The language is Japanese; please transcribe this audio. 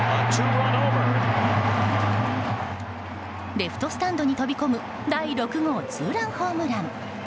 レフトスタンドに飛び込む第６号ツーランホームラン。